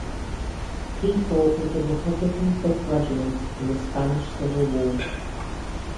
He fought with the Republican Fifth Regiment in the Spanish Civil War.